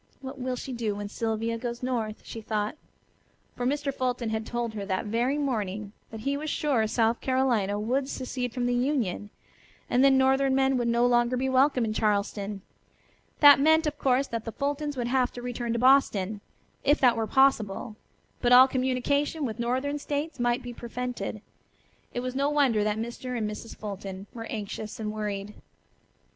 What will she do when Sylvia goes north?" she thought. For Mr. Fulton had told her that very morning that he was sure South Carolina would secede from the Union, and then northern men would no longer be welcome in Charleston. That meant of course that the Fultons would have to return to Boston, if that were possible, but all communication with northern states might be prevented. It was no wonder that Mr. and Mrs. Fulton were anxious and worried.